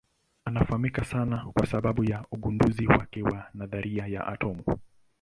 Anafahamika sana kwa sababu ya ugunduzi wake wa nadharia ya atomu.